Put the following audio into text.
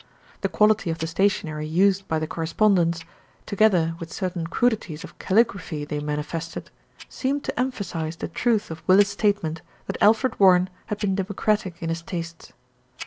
The quality of the stationery used by the correspondents, together with certain crudities of calligraphy they manifested, seemed to emphasise the truth of Willis' statement that Alfred Warren had been democratic in his tastes.